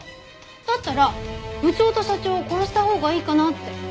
だったら部長と社長を殺したほうがいいかなって。